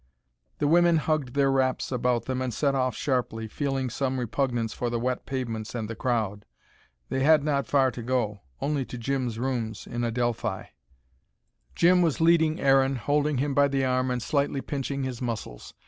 The women hugged their wraps about them, and set off sharply, feeling some repugnance for the wet pavements and the crowd. They had not far to go only to Jim's rooms in Adelphi. Jim was leading Aaron, holding him by the arm and slightly pinching his muscles.